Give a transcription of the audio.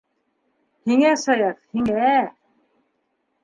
Һиңә, Саяф, һиңә...